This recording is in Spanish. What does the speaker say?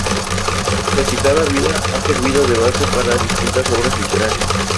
Su agitada vida ha servido de base para distintas obras literarias.